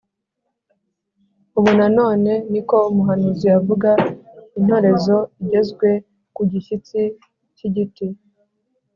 ‘‘Ubu na none,’’ niko umuhanuzi avuga, ‘‘intorezo igezwe ku gishyitsi cy’igiti